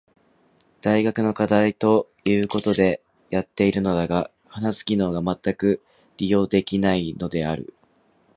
大学の課題と言うことでやっているのだが話す機能がまったく利用できていないのである。